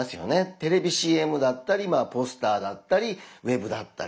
テレビＣＭだったりポスターだったりウェブだったり。